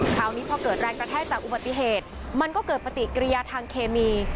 คราวนี้พอเกิดแรงกระแทกจากอุบัติเหตุมันก็เกิดปฏิกิริยาทางเคมี